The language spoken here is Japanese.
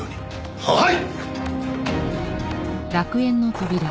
はい！